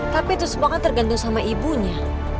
tapi itu semua kan tergantung sama ibunya